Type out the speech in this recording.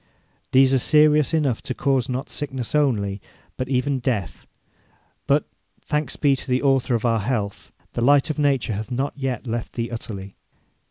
These are serious enough to cause not sickness only, but even death; but, thanks be to the Author of our health, the light of nature hath not yet left thee utterly.